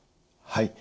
はい。